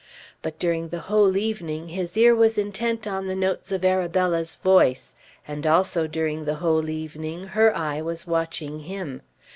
But during the whole evening his ear was intent on the notes of Arabella's voice; and also, during the whole evening, her eye was watching him.